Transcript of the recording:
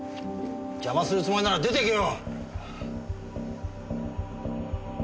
邪魔するつもりなら出ていけよ。